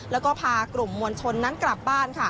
แล้วก็พากลุ่มมวลชนนั้นกลับบ้าน